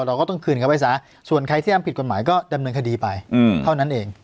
เราก็ต้องคืนเขาไปซะส่วนใครที่ทำผิดกฎหมายก็ดำเนินคดีไปเท่านั้นเอง